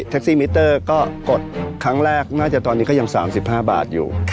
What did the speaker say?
ซี่มิเตอร์ก็กดครั้งแรกน่าจะตอนนี้ก็ยัง๓๕บาทอยู่